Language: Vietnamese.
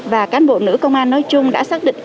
và cán bộ nữ công an nói chung đã xác định